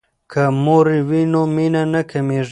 که مور وي نو مینه نه کمیږي.